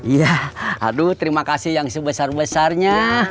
iya aduh terima kasih yang sebesar besarnya